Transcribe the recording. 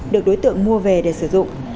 được đối tượng mua về để sử dụng